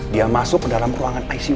dia masuk ke dalam ruangan icu